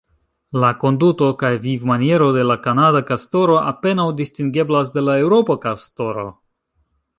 La konduto kaj vivmaniero de la kanada kastoro apenaŭ distingeblas de la eŭropa kastoro.